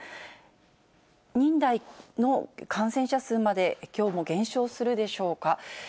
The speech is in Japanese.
２０００人台の感染者数まで、きょうも減少するでしょうか。